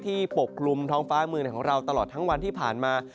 ปกกลุ่มท้องฟ้าเมืองของเราตลอดทั้งวันที่ผ่านมา